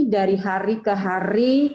dari hari ke hari